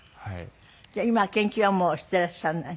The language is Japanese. じゃあ今は研究はもうしていらっしゃらないの？